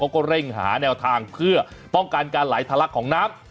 เร่งหาแนวทางเพื่อป้องกันการไหลทะลักของน้ำ